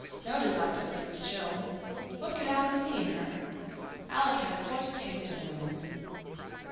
No desire to sleep with Jill, what could Alec see in her? Alec had a coarse taste in women.